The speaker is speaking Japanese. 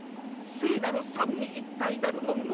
『聖なる三位一体なる飲み物